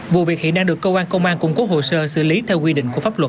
vụ việc hiện đang được cơ quan công an củng cố hồ sơ xử lý theo quy định của pháp luật